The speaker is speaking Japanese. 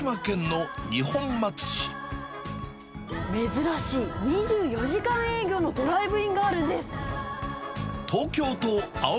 珍しい２４時間営業のドライブインがあるんです。